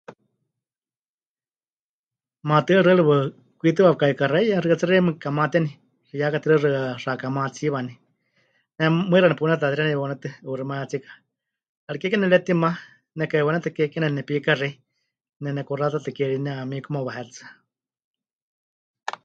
Maatɨari xɨari hawai kwitɨ pɨka'ikaxeiya, xɨka tsɨ xeíme kamateni, ya katixaɨ xɨka, xɨka kamatiwani, ne mɨixa nepunetatexi ne'iwaunétɨ 'uuximayátsika, 'ariké ke nepɨretima neka'iwaunétɨ ke kemɨneni nepikaxei, nenekuxatatɨ ke ri nehamikuma wahetsɨa.